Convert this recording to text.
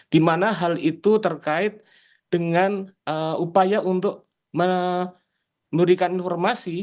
dimana hal itu terkait dengan upaya untuk menurunkan informasi